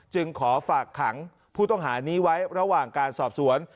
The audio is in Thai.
จึงขอฝากขังผู้ต้องหานี้ไว้ระหว่างการสอบสวน